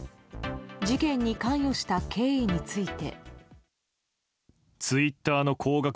事件に関与した経緯について。